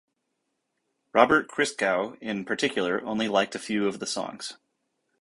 Robert Christgau in particular only liked a few of the songs.